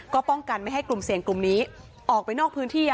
ก็ป้องกันไม่ให้กลุ่มเสี่ยงกลุ่มนี้ออกไปนอกพื้นที่